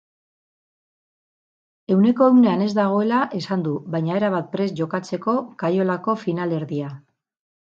Ehuneko ehunean ez dagoela esan du, baina erabat prest jokatzeko kaiolako finalerdia.